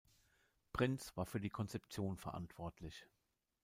Prinz war für die Konzeption verantwortlich.